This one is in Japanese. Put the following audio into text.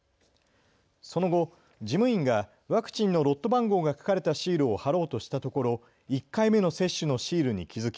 その後、事務員がワクチンのロット番号が書かれたシールを貼ろうとしたところ、１回目の接種のシールに気付き